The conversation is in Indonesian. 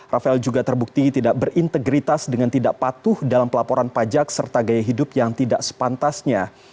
rafael juga terbukti tidak berintegritas dengan tidak patuh dalam pelaporan pajak serta gaya hidup yang tidak sepantasnya